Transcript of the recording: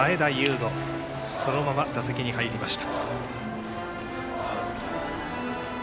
伍そのまま打席に入りました。